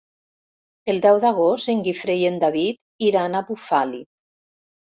El deu d'agost en Guifré i en David iran a Bufali.